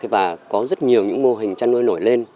và có rất nhiều những mô hình chăn nuôi nổi lên